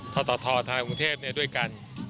ทศธรรยาบรุงเทพฯด้วยกัน